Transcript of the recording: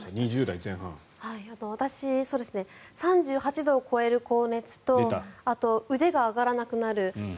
私、３８度を超える高熱とあと腕が上がらなくなる。